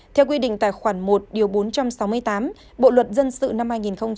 theo quy định tài khoản một bốn trăm sáu mươi tám bộ luật dân sự năm hai nghìn một mươi năm